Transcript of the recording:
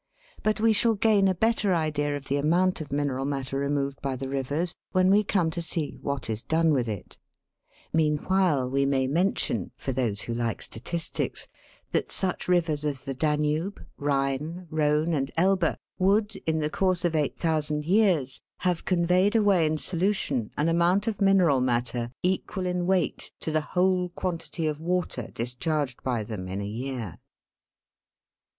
But we shall gain a better idea of the amount of mineral matter removed by the rivers when we come to see what is done with it ; meanwhile we may mention, for those who like statistics, that such rivers as the Danube, Rhine, MATTER IN SOLUTION. 59 Rhone, and Elbe, would, in the course of 8,000 years, have conveyed away in solution an amount of mineral matter equal in weight to the whole quantity of water discharged by them in a year.